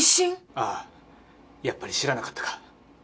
ああやっぱり知らなかったか。